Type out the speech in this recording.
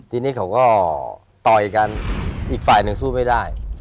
ทีนี้เขาก็ต่อยกันอีกฝ่ายหนึ่งสู้ไม่ได้